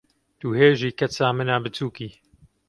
Tu hê jî keça min a biçûk î.